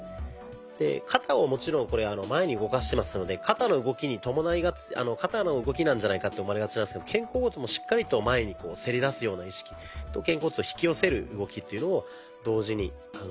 で肩をもちろんこれ前に動かしてますので肩の動きなんじゃないかと思われがちなんですけど肩甲骨もしっかりと前にせり出すような意識と肩甲骨を引き寄せる動きというのを同時にやっています。